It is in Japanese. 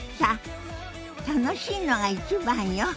楽しいのが一番よ。